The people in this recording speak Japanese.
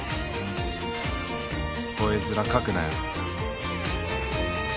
吠え面かくなよ。